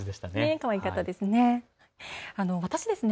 かわいかったですね。